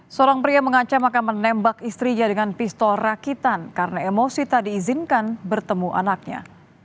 seorang pria mengancam akan menembak istrinya dengan pistol rakitan karena emosi tak diizinkan bertemu anaknya